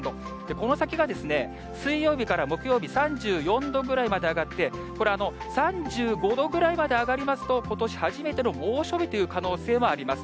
この先が水曜日から木曜日、３４度ぐらいまで上がって、これ３５度ぐらいまで上がりますと、ことし初めての猛暑日という可能性もあります。